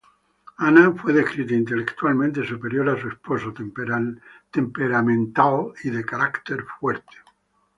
Ana fue descrita intelectualmente superior a su esposo, temperamental y de carácter fuerte.